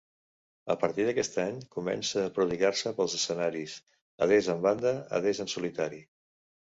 A partir d'aquest any comença a prodigar-se pels escenaris, adés amb banda, adés en solitari.